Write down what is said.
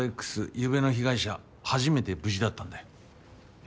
ゆうべの被害者初めて無事だったんだよ。